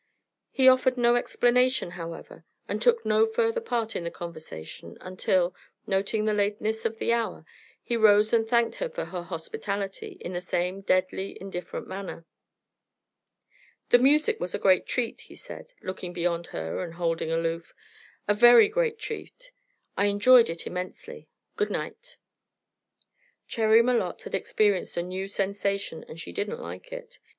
He offered no explanation, however, and took no further part in the conversation until, noting the lateness of the hour, he rose and thanked her for her hospitality in the same deadly indifferent manner. "The music was a great treat," he said, looking beyond her and holding aloof "a very great treat. I enjoyed it immensely. Good night." Cherry Malotte had experienced a new sensation, and she didn't like it.